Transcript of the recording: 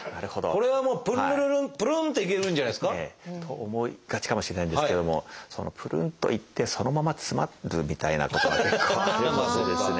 これはもうプンルルルンプルンっていけるんじゃないですか？と思いがちかもしれないんですけどもそのプルンといってそのまま詰まるみたいなことが結構あるのでですね。